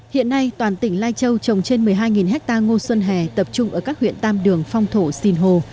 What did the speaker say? hiện nay toàn tỉnh lai châu trồng trên một mươi hai hecta ngô xuân hẻ tập trung ở các huyện tam đường phong thổ sìn hồ